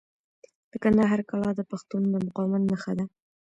د کندهار کلا د پښتنو د مقاومت نښه ده.